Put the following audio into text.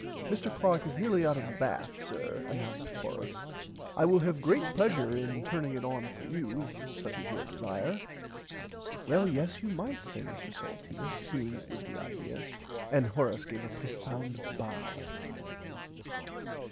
Mr Clark is nearly out of the bath sir anounced Horace I will have great plesure in turning it on for you if such is your desire. Well yes you might said Mr Salteena seeing it was the idear and Horace gave a profound bow.